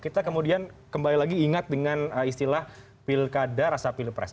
kita kemudian kembali lagi ingat dengan istilah pilkada rasa pilpres